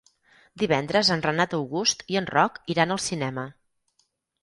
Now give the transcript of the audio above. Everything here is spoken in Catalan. Divendres en Renat August i en Roc iran al cinema.